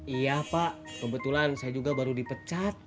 iya pak kebetulan saya juga baru dipecat